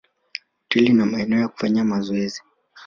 hoteli na maeneo ya kufanyia mazoezi